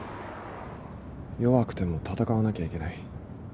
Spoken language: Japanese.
弱くても戦わなきゃいけない。